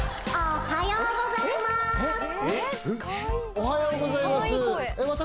おはようございます私。